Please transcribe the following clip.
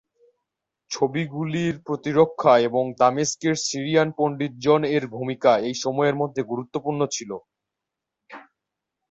ছবিগুলির প্রতিরক্ষা এবং দামেস্কের সিরিয়ান পণ্ডিত জন এর ভূমিকা এই সময়ের মধ্যে গুরুত্বপূর্ণ ছিল।